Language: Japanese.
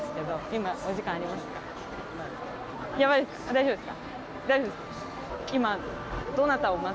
大丈夫ですか？